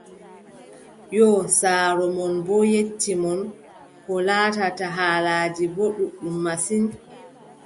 Yoo saaro mon boo yecci mon koo laatata, haalaaji boo ɗuuɗɗum masin.